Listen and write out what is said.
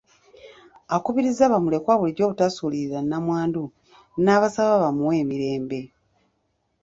Akubirizza bamulekwa bulijjo obutasuulirira nnamwandu n’abasaba bamuwe emirembe.